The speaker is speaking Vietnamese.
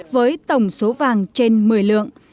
với tổng số vàng trên một mươi lượng